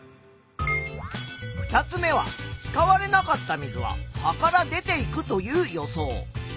２つ目は使われなかった水は葉から出ていくという予想。